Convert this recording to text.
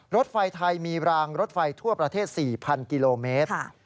รถไฟไทยมีรางรถไฟทั่วประเทศ๔๐๐กิโลเมตร